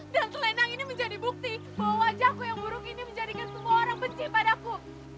dan selenang ini menjadi bukti bahwa wajahku yang buruk ini menjadikan semua orang benci padaku